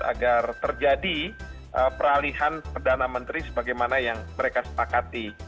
agar terjadi peralihan perdana menteri sebagaimana yang mereka sepakati